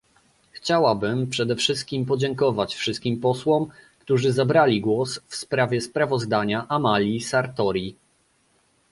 Chciałabym przede wszystkim podziękować wszystkim posłom, którzy zabrali głos w sprawie sprawozdania Amalii Sartori